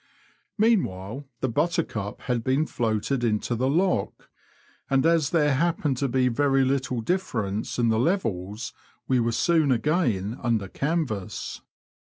Meanwhile the Buttercup had been floated into the lock, and as there happened to be very little difference in the levels, we were soon again under canvas.